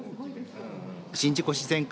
宍道湖自然館